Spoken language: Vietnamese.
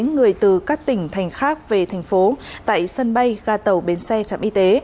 người từ các tỉnh thành khác về thành phố tại sân bay ga tàu bến xe trạm y tế